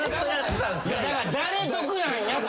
だから誰得なんやって！